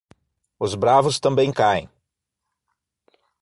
Os bravos também caem.